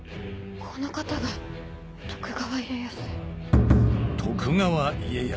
この方が徳川家康。